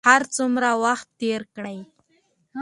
چې هر څومره وخت تېر کړې